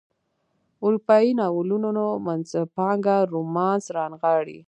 اروپایي ناولونو منځپانګه رومانس رانغاړي.